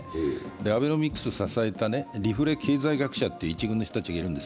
アベノミクスを支えた、リフレ経済学者という人たちがいるんです。